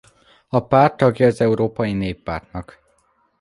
A párt tagja az Európai Néppártnak.